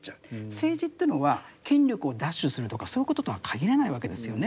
政治というのは権力を奪取するとかそういうこととは限らないわけですよね。